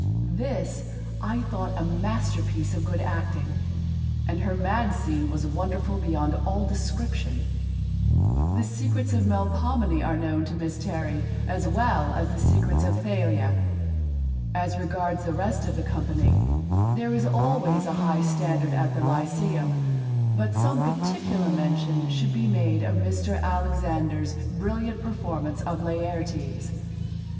This I thought a masterpiece of good acting, and her mad scene was wonderful beyond all description. The secrets of Melpomene are known to Miss Terry as well as the secrets of Thalia. As regards the rest of the company there is always a high standard at the Lyceum, but some particular mention should be made of Mr. Alexander's brilliant performance of Laertes.